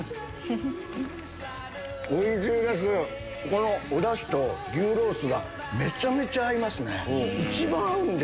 このおダシと牛ロースがめちゃめちゃ合いますね。